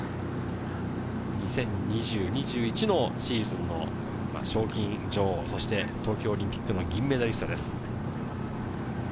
２０２０・２１年シーズンの賞金女王、そして東京オリンピックの銀メダリストです。